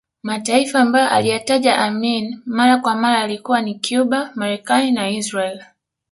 Mataifa ambayo aliyataja Amin mara kwa mara yalikuwa ni Cuba Marekani na Israeli